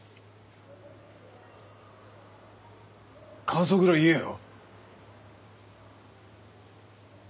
感想ぐらい言えよ。